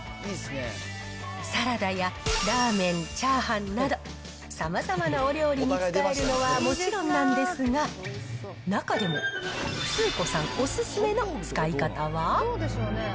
サラダやラーメン、チャーハンなど、さまざまなお料理に使えるのはもちろんなんですが、中でも、スー子さんお勧めの使い方は。